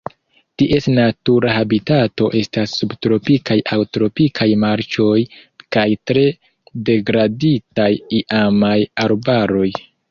Ties natura habitato estas subtropikaj aŭ tropikaj marĉoj kaj tre degraditaj iamaj arbaroj.